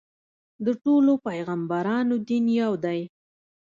د ټولو پیغمبرانو دین یو دی.